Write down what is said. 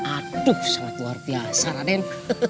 aduh sangat luar biasa raden